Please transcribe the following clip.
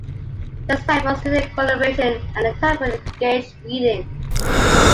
There is time for student collaboration and a time for engaged reading.